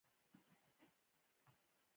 د زور خبره نه ده.